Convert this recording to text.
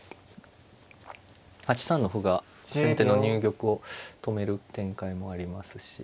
８三の歩が先手の入玉を止める展開もありますし。